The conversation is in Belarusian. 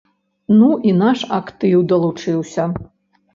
Ну і наш актыў далучыўся.